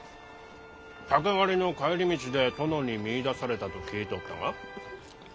鷹狩りの帰り道で殿に見いだされたと聞いておったが？